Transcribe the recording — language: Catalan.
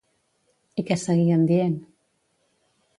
I què seguien dient?